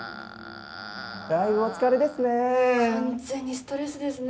だいぶお疲れですね。